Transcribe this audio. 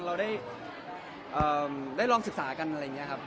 เราได้ลองศึกษากันอะไรอย่างนี้ครับ